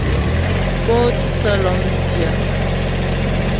Pótsə́ lɔ́mdyə́.